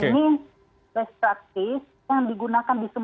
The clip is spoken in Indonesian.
ini restriksi yang digunakan disuruh